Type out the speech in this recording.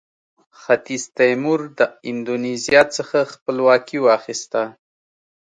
ختیځ تیمور د اندونیزیا څخه خپلواکي واخیسته.